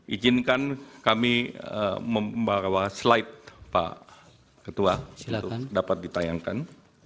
ijinkan kami membawa slide pak ketua untuk dapat ditayangkan